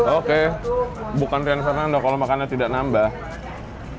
oke bukan rian sanando kalau makannya tidak nambah